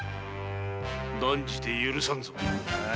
断じて許さんぞ何？